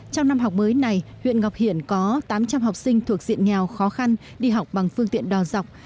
trong năm học mới này huyện ngọc hiển có tám trăm linh học sinh thuộc diện nghèo khó khăn đi học bằng phương tiện đò dọc